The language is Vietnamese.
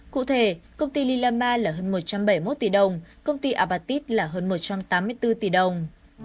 cụ thể công ty lilama là hơn một trăm bảy mươi một tỷ đồng công ty apatit là hơn một trăm tám mươi bốn tỷ đồng